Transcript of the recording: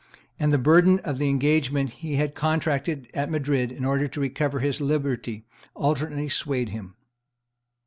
and the burden of the engagement he had contracted at Madrid in order to recover his liberty, alternately swayed him.